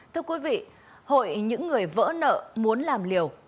thưa quý vị hội những người vỡ nợ muốn làm liều